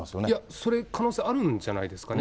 それ、可能性あるんじゃないですかね。